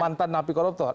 mantan napi koruptor